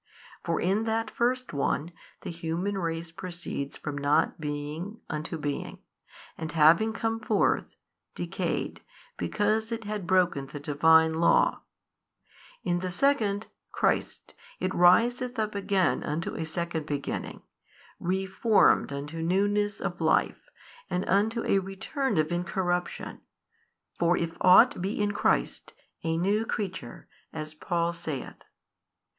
For in that first one, the human race proceeds from not being unto being, and having come forth, decayed, because it had broken the Divine Law: in the Second, Christ, it riseth up again unto a second beginning, re formed unto newness of life and unto a return of incorruption, for if ought be in Christ, a new creature, as Paul saith.